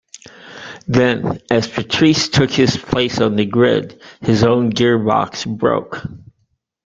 Then, as Patrese took his place on the grid, his own gearbox broke.